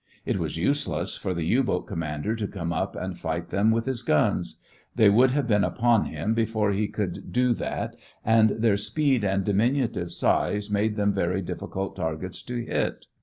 It was useless for the U boat commander to come up and fight them with his guns. They would have been upon him before he could do that, and their speed and diminutive size made them very difficult targets to hit.